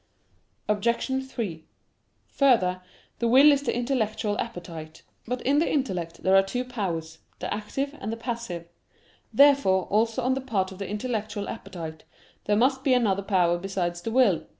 Obj. 3: Further, the will is the intellectual appetite. But in the intellect there are two powers the active and the passive. Therefore, also on the part of the intellectual appetite, there must be another power besides the will.